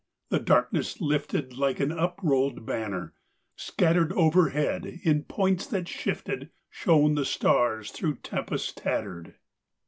The darkness lifted Like an up rolled banner. Scattered Overhead, in points that shifted, Shone the stars through tempest tattered.